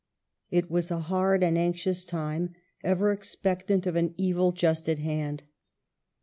It was a hard and anxious time, ever expectant of an evil just at hand.